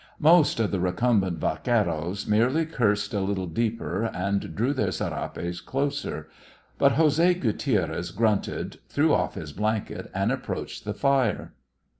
Most of the recumbent vaqueros merely cursed a little deeper and drew their serapes closer, but José Guiterrez grunted, threw off his blanket, and approached the fire.